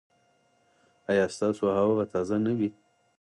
ایا ستاسو هوا به تازه نه وي؟